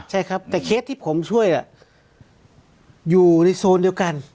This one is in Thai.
ใช่ครับแต่เคสที่ผมช่วยอยู่ในโซนเดียวกัน